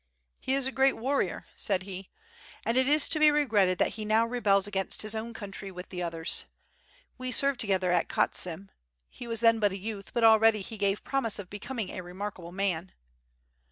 He is a great warrior," said he, "and it is to be regretted that he now rebels against his own country with the others. We served together at Khotsim, he was then but a youth but already he gave promise of becoming a remarkable man."